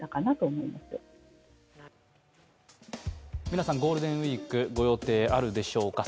皆さんゴールデンウイーク、ご予定あるでしょうか？